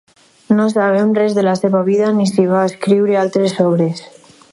No sabem res de la seva vida ni si va escriure altres obres.